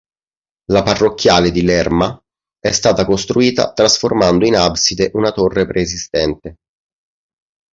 La parrocchiale di Lerma, è stata costruita trasformando in abside una torre preesistente.